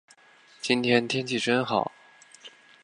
今天天气真好。